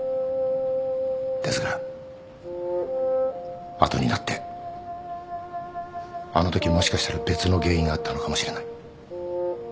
ですが後になってあのときもしかしたら別の原因があったのかもしれない。